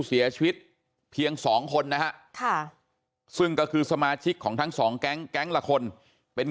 เสียชีวิตเพียง๒คนนะฮะซึ่งก็คือสมาชิกของทั้งสองแก๊งแก๊งละคนเป็น